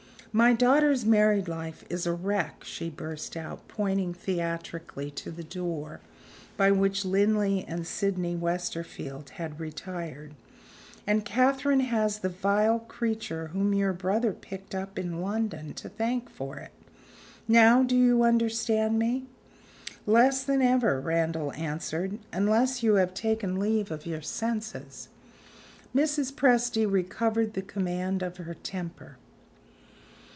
"My daughter's married life is a wreck," she burst out, pointing theatrically to the door by which Linley and Sydney Westerfield had retired. "And Catherine has the vile creature whom your brother picked up in London to thank for it! Now do you understand me?" "Less than ever," Randal answered "unless you have taken leave of your senses." Mrs. Presty recovered the command of her temper.